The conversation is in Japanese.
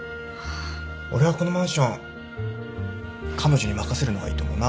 俺はこのマンション彼女に任せるのがいいと思うな